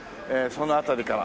その辺りから。